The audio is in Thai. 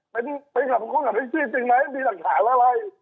เป็นคนทำอาชีพจริงไหมมีหลักฐานอะไร